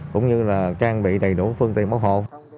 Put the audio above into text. cũng như là trang bị đầy đủ phương tiện cứu hộ